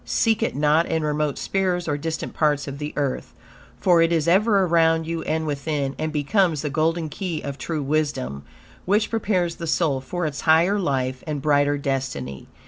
Seek it not in remote spheres or distant parts of the earth, for it is ever around you and within, and becomes the golden key of true wisdom, which prepares the soul for its higher life and brighter destiny.